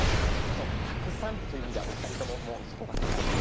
そうたくさんという意味ではお二人とももうそこが正解です。